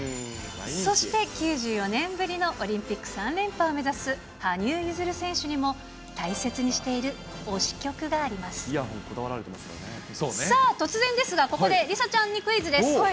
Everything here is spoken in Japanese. そして９４年ぶりのオリンピック３連覇を目指す羽生結弦選手にも、イヤホン、さあ、突然ですがここで梨紗ちゃんにクイズです。